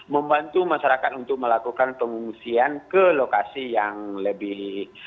membantu masyarakat untuk melakukan pengungsian ke lokasi yang lebih